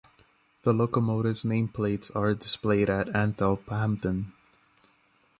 The locomotive's nameplates are displayed at Athelhampton.